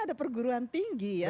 ada perguruan tinggi ya